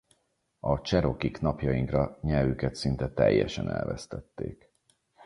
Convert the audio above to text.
A cserokik napjainkra nyelvüket szinte teljesen elvesztették.